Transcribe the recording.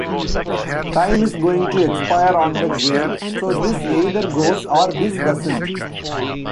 Time's going to expire on the game, so this either goes or this doesn't.